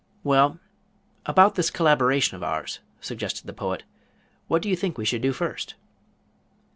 "Well about this collaboration of ours," suggested the Poet. "What do you think we should do first?"